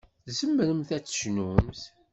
Tzemremt ad tecnumt.